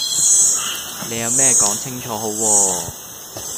你有咩講清楚好喎